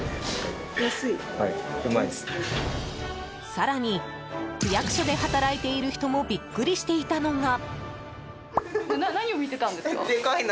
更に、区役所で働いている人もビックリしていたのが。